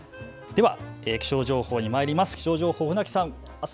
では気象情報にまいります。